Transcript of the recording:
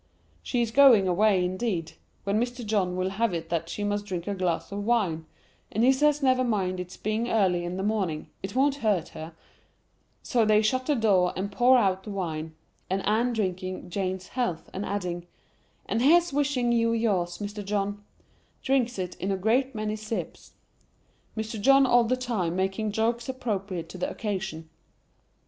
She is going away, indeed; when Mr. John will have it that she must drink a glass of wine, and he says never mind it's being early in the morning, it won't hurt her: so they shut the door and pour out the wine; and Anne drinking lane's health, and adding, 'and here's wishing you yours, Mr. John,' drinks it in a great many sips,—Mr. John all the time making jokes appropriate to the occasion.